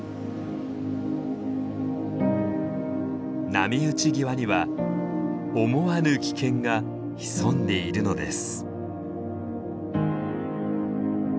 波打ち際には思わぬ危険が潜んでいるのです。